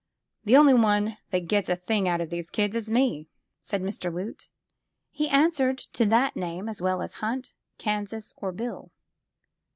*VThe only one that gets a thing out of these kids is me," said Mr. Loote. He answered to that name as well as Hunt, Kansas or Bill.